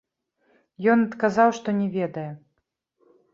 Ён адказаў, што не ведае.